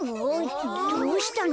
どうしたの？